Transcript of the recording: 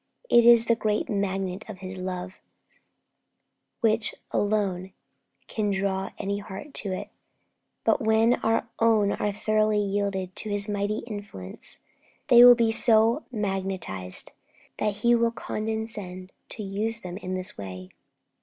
It is the great magnet of His love which alone can draw any heart to Him; but when our own are thoroughly yielded to its mighty influence, they will be so magnetized that He will condescend to use them in this way.